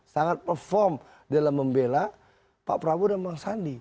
sangat perform dalam membela pak prabowo dan bang sandi